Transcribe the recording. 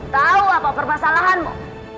tahu apa permasalahanmu